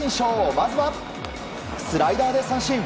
まずは、スライダーで三振。